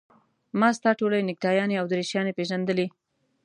ما ستا ټولې نکټایانې او دریشیانې پېژندلې.